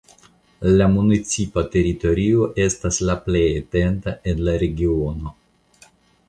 La municipa teritorio estas la plej etenda en la regiono.